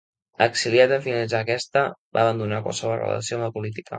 Exiliat en finalitzar aquesta, va abandonar qualsevol relació amb la política.